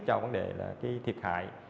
cho vấn đề là cái thiệt hại